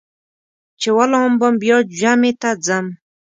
چې ولامبم بیا جمعې ته ځم.